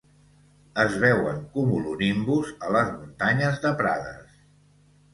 Es veuen cumulonimbus a les muntanyes de Prades.